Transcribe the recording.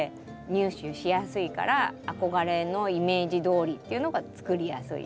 入手しやすいから憧れのイメージどおりっていうのがつくりやすい。